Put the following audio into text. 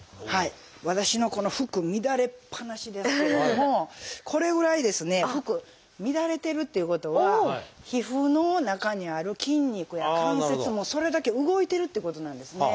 私のこの服乱れっぱなしですけれどもこれぐらいですね服乱れてるっていうことは皮膚の中にある筋肉や関節もそれだけ動いてるってことなんですね。